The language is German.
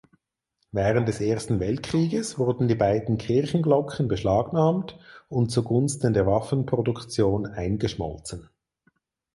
Während des Ersten Weltkrieges wurden die beiden Kirchenglocken beschlagnahmt und zugunsten der Waffenproduktion eingeschmolzen.